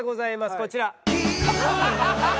こちら。